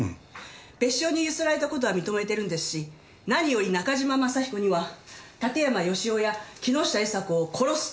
別所にゆすられた事は認めてるんですし何より中島雅彦には館山義男や木下伊沙子を殺す動機があります！